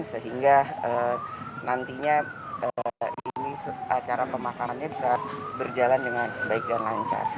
sehingga nantinya acara pemakamannya bisa berjalan dengan baik dan lancar